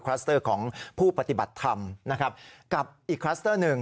สเตอร์ของผู้ปฏิบัติธรรมนะครับกับอีกคลัสเตอร์หนึ่ง